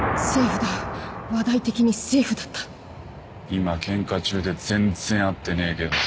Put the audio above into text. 今ケンカ中で全然会ってねえけど。